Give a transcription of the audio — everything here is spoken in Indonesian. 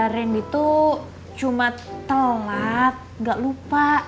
randy tuh cuma telat gak lupa